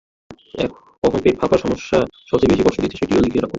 কখন পেট ফাঁপার সমস্যা সবচেয়ে বেশি কষ্ট দিচ্ছে সেটিও লিখে রাখুন।